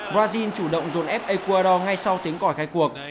brazil chủ động dồn ép ecuador ngay sau tiếng còi khai cuộc